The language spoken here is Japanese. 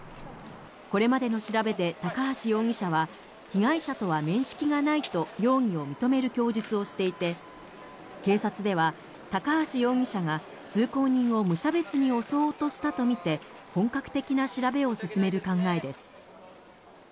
これまでの調べで高橋容疑者は被害者とは面識がないと容疑を認める供述をしていて、警察では高橋容疑者が通行人を無差別に襲おうとしたとみて本格的な調べを進める考えです。